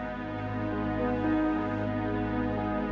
ini otomek babak